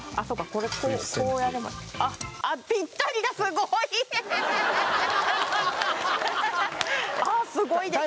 これこうやればあっあっすごいですね